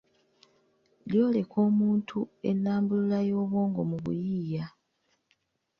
Lyoleka omuntu ennambulula y’obwongo mu buyiiya